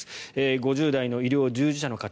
５０代の医療従事者の方。